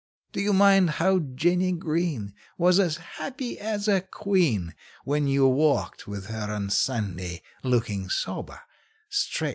Do you mind how Jennie Green Was as happy as a queen When you walked with her on Sunday, looking sober, straight, and clean?